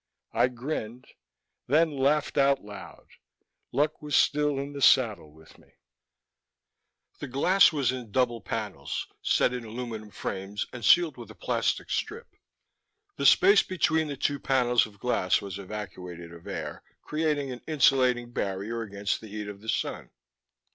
I grinned, then laughed out loud. Luck was still in the saddle with me. The glass was in double panels, set in aluminum frames and sealed with a plastic strip. The space between the two panels of glass was evacuated of air, creating an insulating barrier against the heat of the sun.